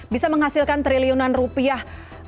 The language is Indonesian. bisa menghasilkan triliunan rupiah